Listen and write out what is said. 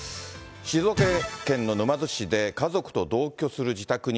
静岡県の沼津市で、家族と同居する自宅に、